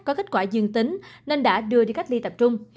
có kết quả dương tính nên đã đưa đi cách ly tập trung